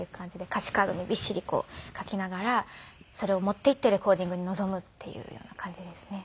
歌詞カードにびっしり書きながらそれを持っていってレコーディングに臨むっていうような感じですね。